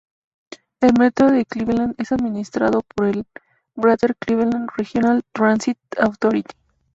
El Metro de Cleveland es administrado por la Greater Cleveland Regional Transit Authority.